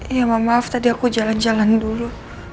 ya mohon maaf tadi aku jalan jalan dulu